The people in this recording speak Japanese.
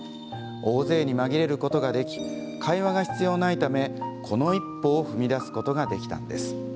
大勢に紛れることができ会話が必要ないためこの一歩を踏み出すことができたんです。